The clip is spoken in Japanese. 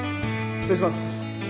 失礼します。